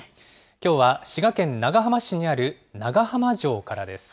きょうは滋賀県長浜市にある長浜城からです。